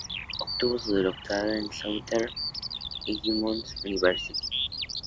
Obtuvo su doctorado en Southern Illinois University.